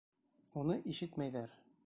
Уны ишетмәйҙәр.